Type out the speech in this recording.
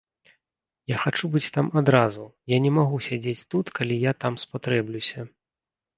Я хачу быць там адразу, я не магу сядзець тут, калі я там спатрэблюся.